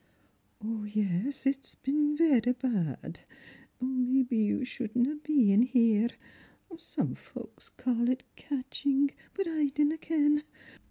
" Yes, it's been verra bad ; maybe you shouldna be in here ; some folks call it catching, but I dinna ken.